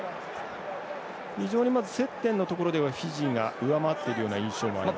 非常に接点のところではフィジーが上回っているような印象があります。